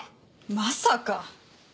まさか。